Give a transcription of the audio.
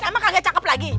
udah kagak cakep lagi